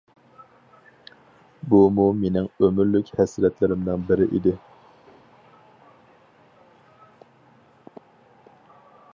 بۇمۇ مېنىڭ ئۆمۈرلۈك ھەسرەتلىرىمنىڭ بىرى ئىدى.